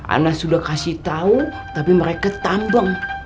ana sudah kasih tahu tapi mereka tambang